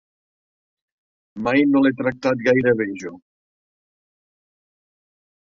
Mai no l'he tractat gaire bé, jo.